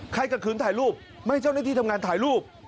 กระขืนถ่ายรูปไม่เจ้าหน้าที่ทำงานถ่ายรูป